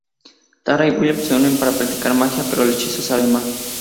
Tara y Willow se reúnen para practicar magia, pero el hechizo sale mal.